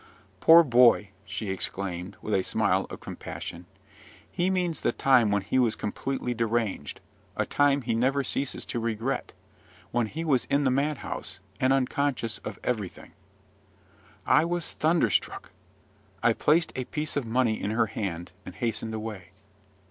"Poor boy!" she exclaimed, with a smile of compassion, "he means the time when he was completely deranged, a time he never ceases to regret, when he was in the madhouse, and unconscious of everything." I was thunderstruck: I placed a piece of money in her hand, and hastened away.